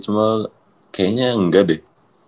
cuma kayaknya enggak deh